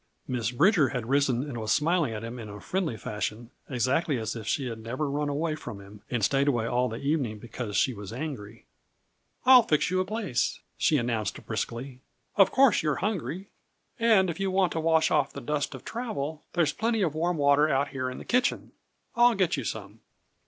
Miss Bridger had risen and was smiling at him in friendly fashion, exactly as if she had never run away from him and stayed away all the evening because she was angry. "I'll fix you a place," she announced briskly. "Of course you're hungry. And if you want to wash off the dust of travel, there's plenty of warm water out here in the kitchen. I'll get you some."